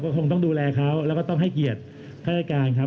ขอบคุณมากทุกคนเข้าไปด้วยกันครับ